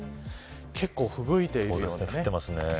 結構、ふぶいていました。